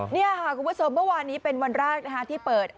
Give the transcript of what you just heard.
นี่ค่ะคุณผู้ชมเมื่อวานนี้เป็นวันแรกที่เปิด